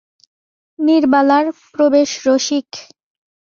নীরবালার প্রবেশ রসিক।